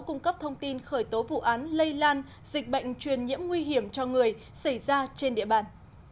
cung cấp thông tin khởi tố vụ án lây lan dịch bệnh truyền nhiễm nguy hiểm cho người xảy ra trên địa bàn